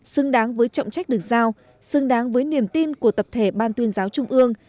xứng đáng với trọng trách được giao xứng đáng với niềm tin của tập thể ban tuyên giáo trung ương